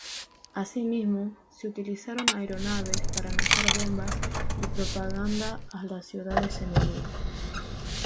Asimismo, se utilizaron aeronaves para lanzar bombas y propaganda a las ciudades enemigas.